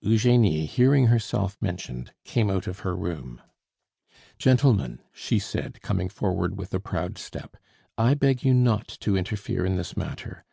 Eugenie, hearing herself mentioned, came out of her room. "Gentlemen," she said, coming forward with a proud step, "I beg you not to interfere in this matter.